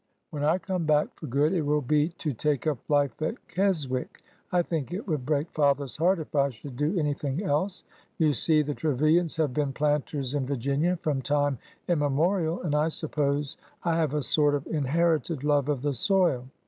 When I come back for good, it will be to take up life at Keswick. I think it would break father's heart if I should do anything else. You see, the Tre vilians have been planters in Virginia from time imme morial, and I suppose I have a sort of inherited love of the soil.